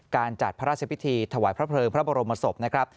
การจัดพระราชพิธีถวายพระเพลิงพระบรมศพนะครับ